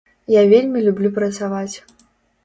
Я вельмі люблю працаваць.